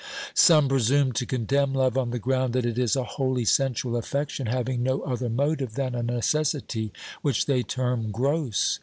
Some presume to condemn love on the ground that it is a wholly sensual affection, having no other motive than a necessity which they term gross.